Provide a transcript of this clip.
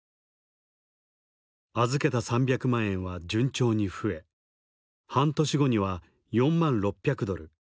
預けた３００万円は順調に増え半年後には４万６００ドル